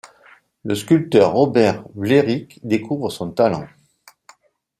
Le sculpteur Robert Wlérick découvre son talent..